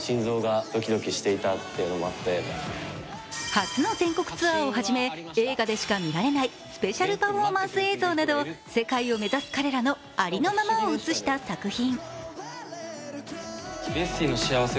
初の全国ツアーをはじめ、映画でしか見られないスペシャルパフォーマンス映像など世界を目指す彼らのありのままを映した作品。